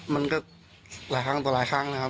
มันก็หลายเครื่องตัวหลายฆ่านะครับ